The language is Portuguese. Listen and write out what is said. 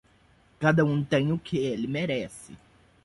Cada um tem o que ele merece.